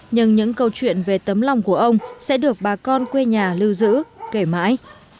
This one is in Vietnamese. nhưng những câu chuyện về tấm lòng của ông sẽ được bà con quê nhà lưu giữ kể mãi